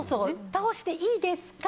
倒していいですか？